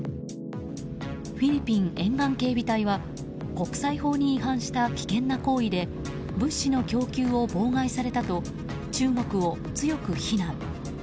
フィリピン沿岸警備隊は国際法に違反した危険な行為で物資の供給を妨害されたと中国を強く非難。